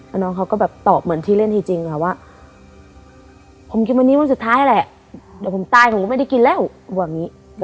แล้วน้องเขาก็แบบตอบเหมือนที่เล่นจริงค่ะว่าผมกินวันนี้วันสุดท้ายแหละเดี๋ยวผมตายผมก็ไม่ได้กินแล้วบอกอย่างนี้